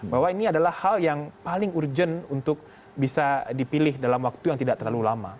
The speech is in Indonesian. bahwa ini adalah hal yang paling urgent untuk bisa dipilih dalam waktu yang tidak terlalu lama